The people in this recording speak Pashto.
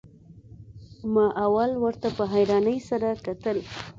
ما اول ورته په حيرانۍ سره کتل.